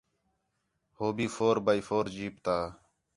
ہو بھی فور بائی فور جیپ تا